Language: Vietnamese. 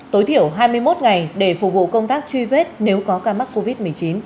tối thiểu hai mươi một ngày để phục vụ công tác truy vết nếu có ca mắc covid một mươi chín